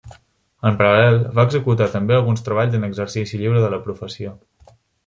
En paral·lel, va executar també alguns treballs en exercici lliure de la professió.